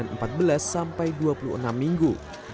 jam empat belas sampai dua puluh enam minggu